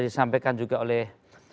disampaikan juga oleh